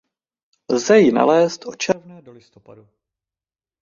Lze ji nalézt od června do listopadu.